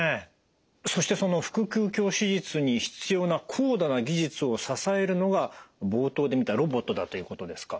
そしてその腹腔鏡手術に必要な高度な技術を支えるのが冒頭で見たロボットだということですか？